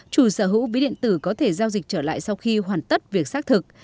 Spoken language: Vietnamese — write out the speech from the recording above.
chủ sở hữu ví điện tử có thể giao dịch trở lại sau khi hoàn tất việc xác thực